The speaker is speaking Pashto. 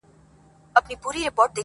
کرې شپه وایو سندري سپېدې وچوي رڼا سي٫